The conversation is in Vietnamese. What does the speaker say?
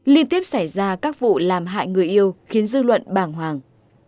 liên tiếp xảy ra các vụ làm hại người yêu khiến dư luận bàng hoàng